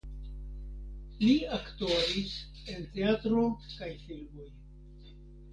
Li aktoris en teatro kaj filmoj.